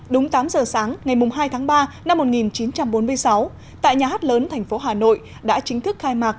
đúng tám giờ sáng ngày hai tháng ba năm một nghìn chín trăm bốn mươi sáu tại nhà hát lớn thành phố hà nội đã chính thức khai mạc